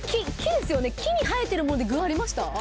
木に生えてるもので具ありました？